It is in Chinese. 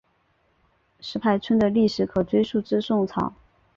石牌村的历史可追溯至宋朝。